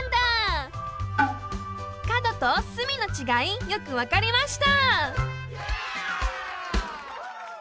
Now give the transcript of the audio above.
角と隅のちがいよくわかりました！